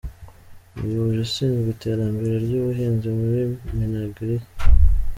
Umuyobozi Ushinzwe Iterambere ry’Ubuhinzi muri Minagri, Dr.